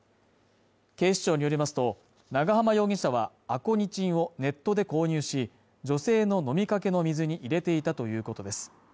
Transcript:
警視庁によりますと長浜容疑者はアコニチンをネットで購入し女性の飲みかけの水に入れていたということです